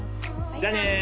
じゃあね！